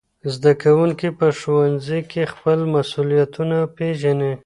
زدهکوونکي په ښوونځي کي خپل مسؤلیتونه پېژني.